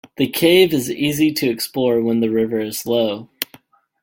The cave is easy to explore when the river is low.